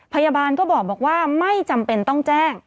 พยาบาลก็บอกว่าไม่จำเป็นต้องแจ้ง